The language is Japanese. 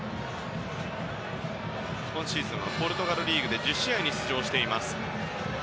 今シーズンはポルトガルリーグで１０試合に出場。